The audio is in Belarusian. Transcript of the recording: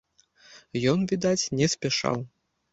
Ён, відаць, не спяшаў.